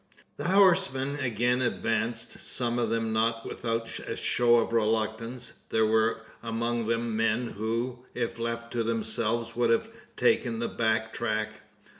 The horsemen again advanced some of them not without a show of reluctance. There were among them men, who, if left to themselves, would have taken the back track.